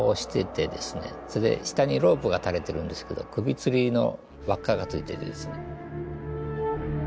それで下にロープが垂れてるんですけど首吊りの輪っかがついててですね。